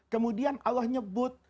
kemudian allah menyebut